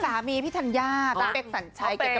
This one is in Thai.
สามีพี่ธัญญาตราเกร่าพี่เบคสัญชัยมีงีบ